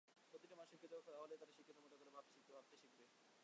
প্রতিটি মানুষ শিক্ষিত হোক, তাহলেই তারা শিক্ষিতের মতো করে ভাবতে শিখবে।